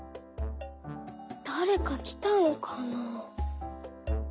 だれかきたのかな？」。